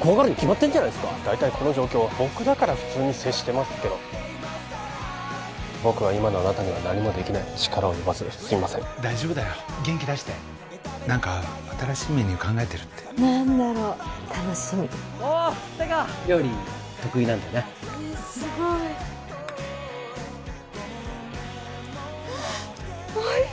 怖がるに決まってんじゃないっすか大体この状況僕だから普通に接してますけど僕は今のあなたには何もできない力及ばずすいません大丈夫だよ元気出して何か新しいメニュー考えてるって何だろう楽しみおおっ来たか料理得意なんだなへえすごいうんおいしい！